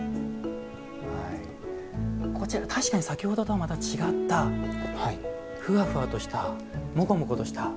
こちら確かに先ほどとはまた違ったふわふわとしたもこもことした。